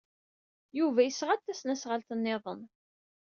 Yuba yesɣa-d tasnasɣalt niḍen.